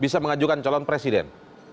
bisa mengajukan calon presiden